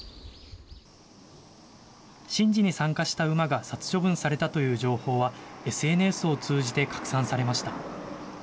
神事に参加した馬が殺処分されたという情報は、ＳＮＳを通じて拡散されました。